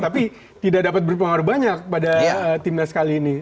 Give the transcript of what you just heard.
tapi tidak dapat berpengaruh banyak pada timnas kali ini